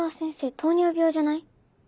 糖尿病じゃない？